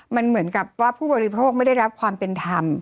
มันเหมือนกับว่าผู้บริโภคไม่ได้รับความเป็นธรรม